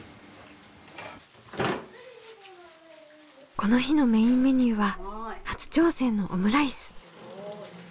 この日のメインメニューは初挑戦のオムライス。